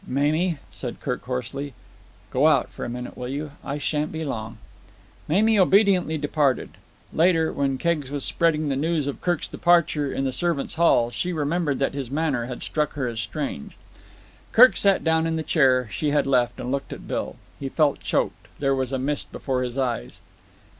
"Mamie," said Kirk hoarsely, "go out for a minute, will you? I shan't be long." Mamie obediently departed. Later, when Keggs was spreading the news of Kirk's departure in the servants' hall, she remembered that his manner had struck her as strange. Kirk sat down in the chair she had left and looked at Bill. He felt choked. There was a mist before his eyes.